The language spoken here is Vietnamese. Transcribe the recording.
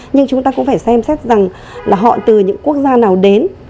nhưng chúng ta cũng phải xem xét rằng là họ từ những quốc gia nào đến